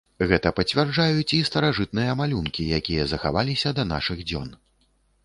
Гэта пацвярджаюць і старажытныя малюнкі, якія захаваліся да нашых дзён.